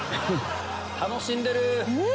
楽しんでる！